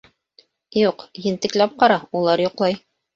— Юҡ, ентекләп ҡара: улар йоҡлай.